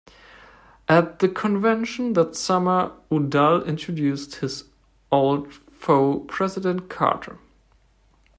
At the convention that summer, Udall introduced his old foe, President Carter.